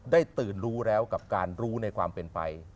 ตื่นรู้แล้วกับการรู้ในความเป็นไป